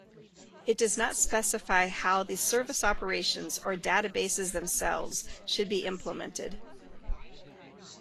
It does not specify how the service operations or databases themselves should be implemented.